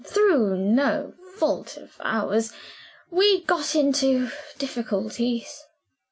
Through no fault of ours, we got into difficulties.